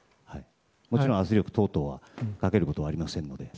もちろん圧力等々はかけることはありませんので。